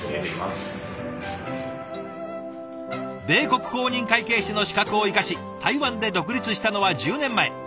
米国公認会計士の資格を生かし台湾で独立したのは１０年前。